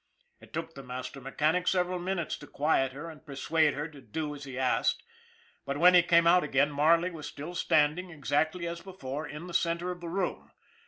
It took the master mechanic several minutes to quiet her and persuade her to do as he asked, but when he came out again Marley was still standing, exactly as before, in the centre of the room.